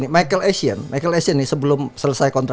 michael asian nih sebelum selesai kontra